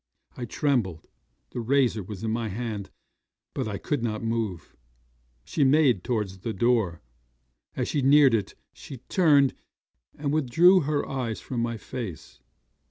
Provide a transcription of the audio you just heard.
I trembled; the razor was in my hand, but I could not move. She made towards the door. As she neared it, she turned, and withdrew her eyes from my face.